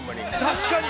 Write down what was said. ◆確かに。